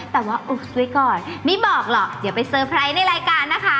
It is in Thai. แต่ว่าอุกไว้ก่อนไม่บอกหรอกเดี๋ยวไปเซอร์ไพรส์ในรายการนะคะ